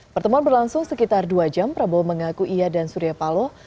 pertemuan berlangsung sekitar dua jam prabowo mengaku ia dan surya paloh